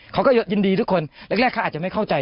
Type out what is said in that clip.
เขาก็ยินดีทุกคนแรกเขาอาจจะไม่เข้าใจ